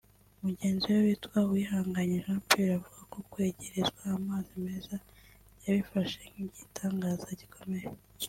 Mugenzi we witwa Uwihanganye Jean Pierre avuga ko kwegerezwa amazi meza yabifashe nk’ igitangaza gikomeye